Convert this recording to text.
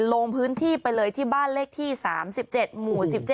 ลงพื้นที่ไปเลยที่บ้านเลขที่๓๗หมู่๑๗